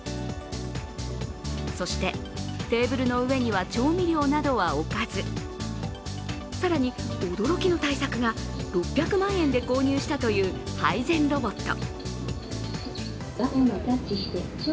そして、テーブルの上には調味料などは置かず更に驚きの対策が６００万円で購入したという配膳ロボット。